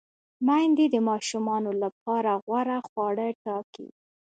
میندې د ماشومانو لپاره غوره خواړه ټاکي۔